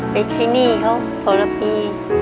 ไปใช้หนี้เขาคนละปี